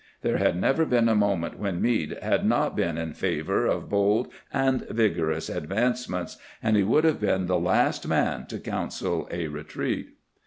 There had never been a moment when Meade had not been in favor of bold and vigorous advances, and he would have been the last man to counsel a retreat.